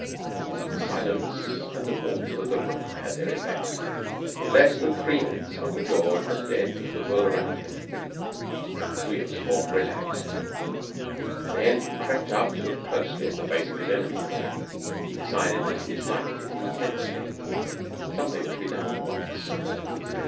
The silence and the warmth of the room had their effect. In less than three minutes Uncle George was dead to the world around him. William's form relaxed, then he crept up to look closely at the face of his enemy. He decided that he disliked it intensely. Something must be done at once.